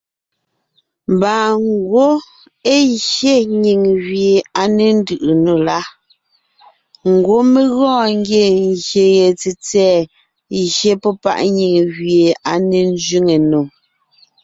Mba ngwɔ́ é gye nyìŋ gẅie à ne ńdʉʼʉ nò la, ngwɔ́ mé gɔɔn ngie ngyè ye tsètsɛ̀ɛ gye pɔ́ páʼ nyìŋ gẅie à ne ńzẅíŋe nò.